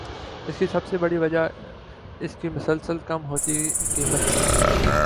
اس کی سب سے بڑی وجہ اس کی مسلسل کم ہوتی قیمت تھی